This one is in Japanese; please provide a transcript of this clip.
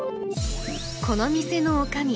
この店のおかみ